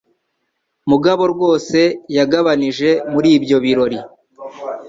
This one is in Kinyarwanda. Mugabo rwose yagabanije muri ibyo birori.